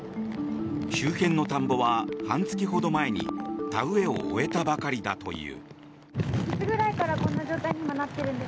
周辺の田んぼは半月ほど前に田植えを終えたばかりだという。